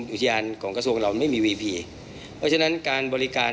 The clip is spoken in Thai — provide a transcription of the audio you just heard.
มีการที่จะพยายามติดศิลป์บ่นเจ้าพระงานนะครับ